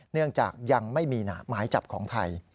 เนื่องจากยังไม่มีหมายจับของไทย